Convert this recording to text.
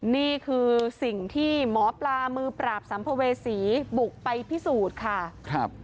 นี่คือสิ่งที่หมอปลามือปราบสัมภเวษีบุกไปพิสูจน์ค่ะครับ